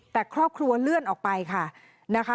แต่ครอบครัวเลื่อนออกไปค่ะนะคะ